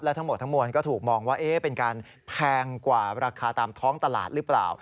ทั้งหมดทั้งมวลก็ถูกมองว่าเป็นการแพงกว่าราคาตามท้องตลาดหรือเปล่า